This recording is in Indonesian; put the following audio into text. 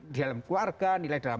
di dalam keluarga nilai dalam